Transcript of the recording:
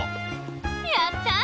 やった！